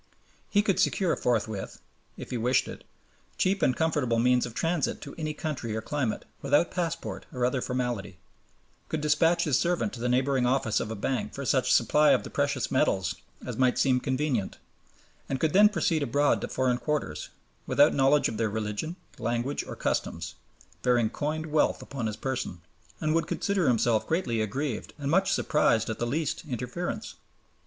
He could secure forthwith, if he wished it, cheap and comfortable means of transit to any country or climate without passport or other formality, could despatch his servant to the neighboring office of a bank for such supply of the precious metals as might seem convenient, and could then proceed abroad to foreign quarters, without knowledge of their religion, language, or customs, bearing coined wealth upon his person, and would consider himself greatly aggrieved and much surprised at the least interference.